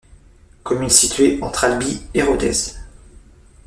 Commune située entre Albi et Rodez.